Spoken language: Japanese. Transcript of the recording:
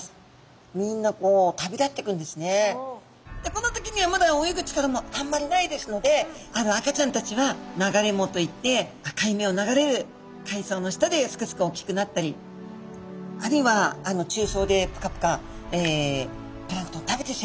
この時にはまだ泳ぐ力もあんまりないですので赤ちゃんたちは流れ藻といって海面を流れる海藻の下ですくすく大きくなったりあるいは中層でプカプカえ